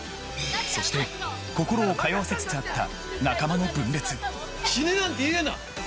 そして心を通わせつつあった仲間の分裂死ねなんて言うな！